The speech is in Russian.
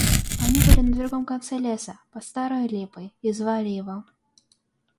Они были на другом конце леса, под старою липой, и звали его.